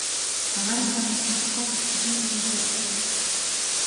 Агаарын зам урт, Москва хүртэл хэдэн цагийн зай байна.